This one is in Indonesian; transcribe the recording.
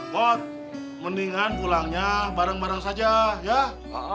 buat mendingan pulangnya bareng bareng saja ya